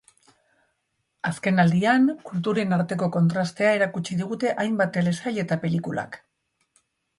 Azkenaldian, kulturen arteko kontrastea erakutsi digute hainbat telesail eta pelikulak.